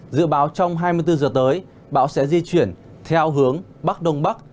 dự báo trong hai mươi bốn giờ tới bão sẽ di chuyển theo hướng bắc đông bắc